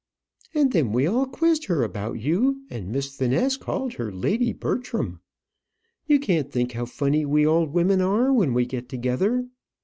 "And then we all quizzed her about you; and Miss Finesse called her Lady Bertram. You can't think how funny we old women are when we get together.